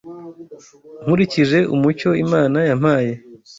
Nkurikije umucyo Imana yampaye